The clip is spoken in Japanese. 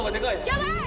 やばい！